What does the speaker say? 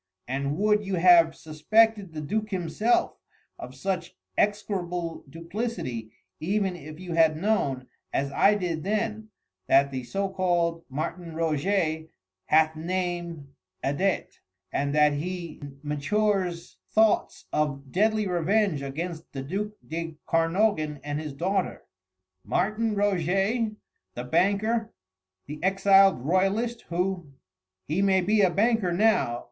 And would you have suspected the Duc himself of such execrable duplicity even if you had known, as I did then, that the so called Martin Roget hath name Adet, and that he matures thoughts of deadly revenge against the duc de Kernogan and his daughter?" "Martin Roget? the banker the exiled royalist who...." "He may be a banker now